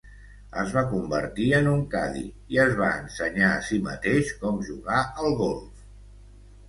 Es va convertir en un cadi i es va ensenyar a si mateix com jugar al golf.